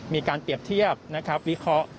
มีการเปรียบเทียบวิเคราะห์